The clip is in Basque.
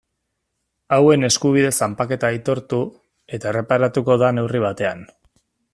Hauen eskubide zanpaketa aitortu eta erreparatuko da neurri batean.